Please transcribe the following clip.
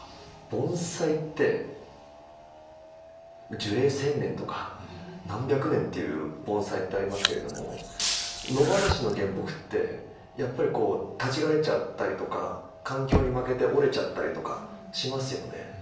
盆栽って樹齢１，０００年とか何百年っていう盆栽ってありますけれども野放しの原木ってやっぱりこう立ち枯れちゃったりとか環境に負けて折れちゃったりとかしますよね。